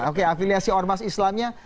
oke afiliasi ormas islamnya